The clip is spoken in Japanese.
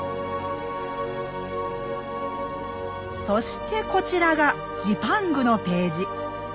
そしてこちらがジパングのページ。